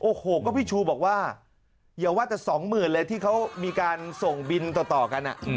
โอ้โหก็พี่ชูบอกว่าอย่าว่าแต่สองหมื่นเลยที่เขามีการส่งบินต่อกัน